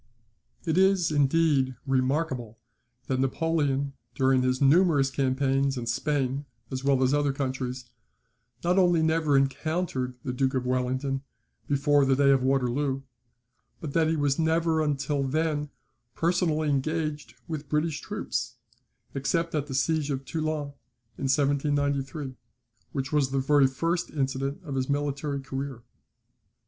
It is, indeed, remarkable that Napoleon, during his numerous campaigns in Spain as well as other countries, not only never encountered the Duke of Wellington before the day of Waterloo, but that he was never until then personally engaged with British troops, except at the siege of Toulon, in 1793, which was the very first incident of his military career.